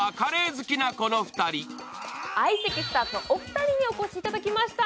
相席スタートのお二人にお越しいただきました。